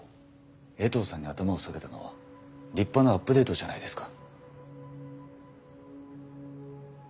衛藤さんに頭を下げたのは立派なアップデートじゃないですか。